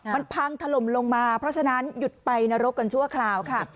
มันพังถล่มลงมาเพราะฉะนั้นหยุดไปนรกกันชั่วคราวค่ะ